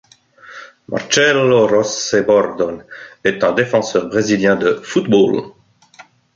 Marcelo José Bordon est un défenseur brésilien de football.